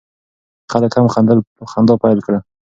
خلک هم خندا پیل کړه.